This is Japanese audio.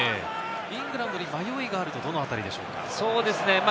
イングランドに迷いがあるというのは、どのあたりでしょうか？